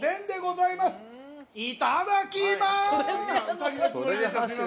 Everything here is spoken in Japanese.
いただきます！